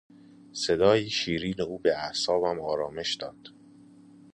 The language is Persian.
صدای شیرین او به اعصابم آرامش داد.